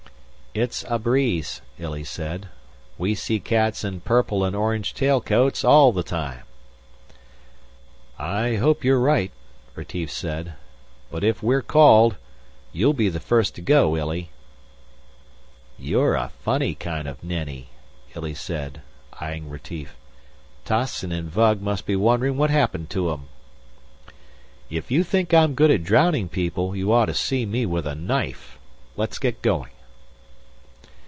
"It's a breeze," Illy said. "We see cats in purple and orange tailcoats all the time." "I hope you're right," Retief said. "But if we're called, you'll be the first to go, Illy." "You're a funny kind of Nenni," Illy said, eyeing Retief, "Toscin and Vug must be wonderin' what happened to 'em." "If you think I'm good at drowning people, you ought to see me with a knife. Let's get going."